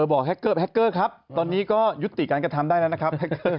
บอกแฮคเกอร์แฮคเกอร์ครับตอนนี้ก็ยุติการกระทำได้แล้วนะครับแฮคเกอร์